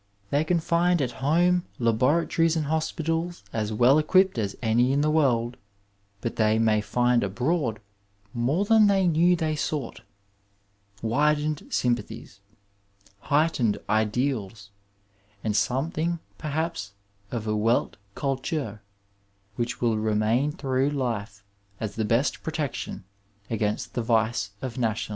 They can find at home laboratories and hospitals as weU equipped as any in the world, but they may find abroad more than they knew they sought — ^widened sympathies, heightened ideals and something perhaps of a Wdt cuUur which will remain through life as the best protection against the vice of nationalism.